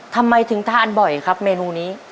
ทำไมถึงทานบ่อยครับเมนูนี้